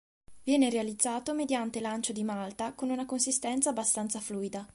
Viene realizzato mediante lancio di malta con una consistenza abbastanza fluida.